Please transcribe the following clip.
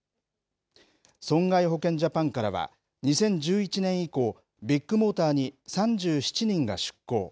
損害保険ジャパンからは、２０１１年以降、ビッグモーターに３７人が出向。